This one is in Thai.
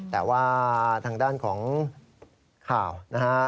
แต่ว่าทางด้านของข่าวนะฮะ